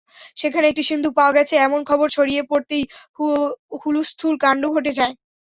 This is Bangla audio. সেখানে একটি সিন্দুক পাওয়া গেছে—এমন খবর ছড়িয়ে পড়তেই হুলুস্থুল কাণ্ড ঘটে যায়।